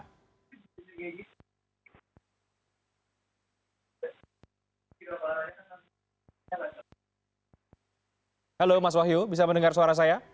halo mas wahyu bisa mendengar suara saya